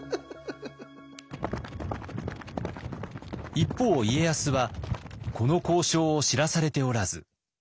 一方家康はこの交渉を知らされておらず。